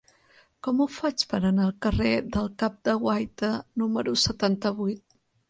Com ho faig per anar al carrer del Cap de Guaita número setanta-vuit?